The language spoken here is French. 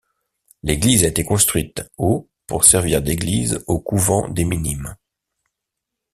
L'église a été construite au pour servir d'église au couvent des Minimes.